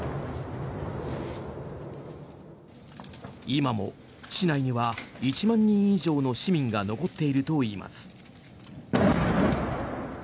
今も市内には１万人以上の市民が残っているといいます。